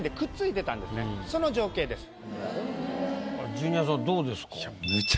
ジュニアさんどうですか？